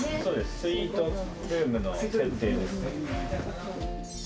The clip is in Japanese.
スイートルームの設定です・